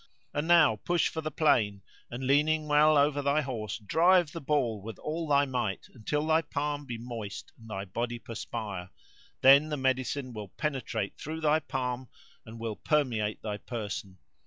and now push for the plain and leaning well over thy horse drive the ball with all thy might until thy palm be moist and thy body perspire: then the medicine will penetrate through thy palm and will permeate thy person.